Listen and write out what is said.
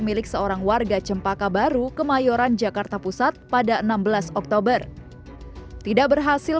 milik seorang warga cempaka baru kemayoran jakarta pusat pada enam belas oktober tidak berhasil